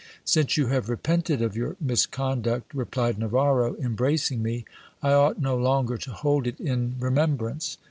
Since you have repented of your misconduct, replied Navarro, embracing me, I ought no longer to hold it in remembrance.